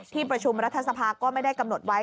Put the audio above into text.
ที่ประชุมรัฐสภาก็ไม่ได้กำหนดไว้